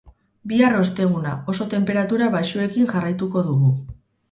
Bihar, osteguna, oso tenperatura baxuekin jarraituko dugu.